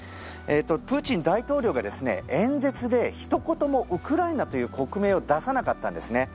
プーチン大統領が演説でひと言もウクライナという国名を出さなかったんですね。